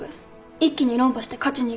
一気に論破して勝ちにいく